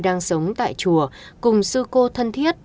đang sống tại chùa cùng sư cô thân thiết